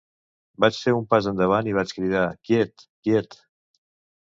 Vaig fer un pas endavant i vaig cridar ‘quiet, quiet’.